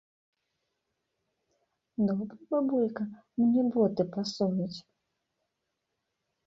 Добра, бабулька, мне боты пасуюць?